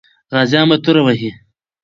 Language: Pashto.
غازیان به توره وهي.